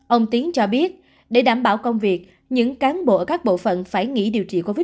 ông tiến cho biết để đảm bảo công việc những cán bộ ở các bộ phận phải nghỉ điều trị covid một mươi